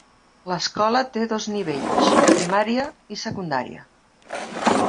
L'escola té dos nivells: primària i secundària.